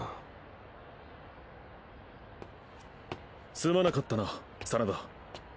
すまなかったな真田。